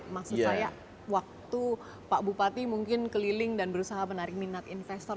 maksud saya waktu pak bupati mungkin keliling dan berusaha menarik minat investor